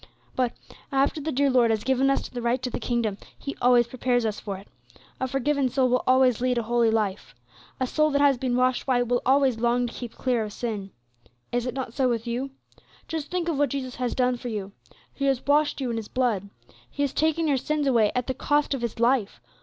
"But, after the dear Lord has given us the right to the kingdom, He always prepares us for it. A forgiven soul will always lead a holy life. A soul that has been washed white will always long to keep clear of sin. Is it not so with you? Just think of what Jesus has done for you! He has washed you in His blood; He has taken your sins away at the cost of His life.